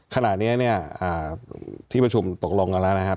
ขณะนี้เนี่ยที่ประชุมตกลงกันแล้วนะครับ